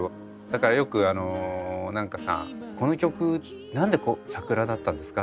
だからよく何かさ「この曲何で桜だったんですか？」